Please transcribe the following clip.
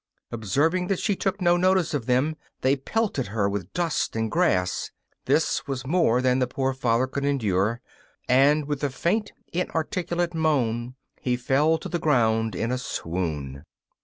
Observing that she took no notice of them, they pelted her with dust and grass. This was more than the poor father could endure, and, with a faint, inarticulate moan, he fell to the ground in a swoon.